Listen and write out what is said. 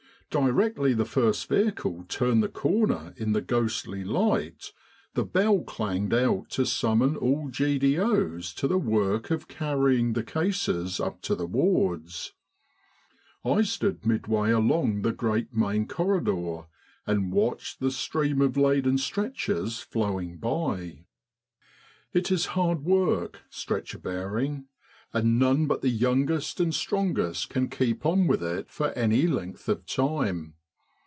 Directly the first vehicle turned the corner in the ghostly light, the bell clanged out to sum mon all G.D.O.'s to the work of carrying the cases up to the wards. I stood midway along the great main corridor, and watched the stream of laden stretchers flowing by. " It is hard work stretcher bearing ; and none but the youngest and strongest can keep on with it for any length of time.